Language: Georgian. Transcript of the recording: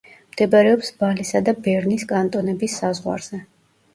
მდებარეობს ვალესა და ბერნის კანტონების საზღვარზე.